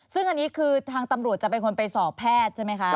ซึ่งอันนี้คือทางตำรวจจะเป็นคนไปสอบแพทย์ใช่ไหมคะ